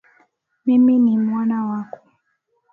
Mimi ni mwana wako.